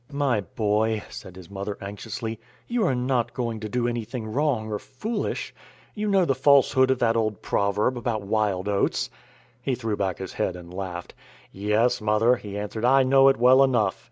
"My boy," said his mother, anxiously, "you are not going to do anything wrong or foolish? You know the falsehood of that old proverb about wild oats." He threw back his head and laughed. "Yes, mother," he answered, "I know it well enough.